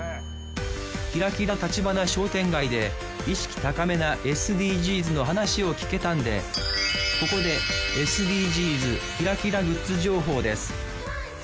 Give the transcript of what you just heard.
キラキラ橘商店街で意識高めなＳＤＧｓの話を聞けたんでここでＳＤＧｓキラキラグッズ情報です。